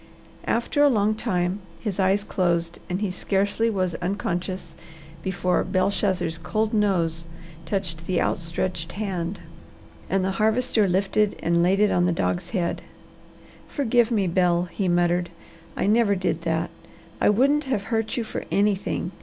After a long time his eyes closed and he scarcely was unconscious before Belshazzar's cold nose touched the outstretched hand and the Harvester lifted and laid it on the dog's head. "Forgive me, Bel," he muttered. "I never did that. I wouldn't have hurt you for anything.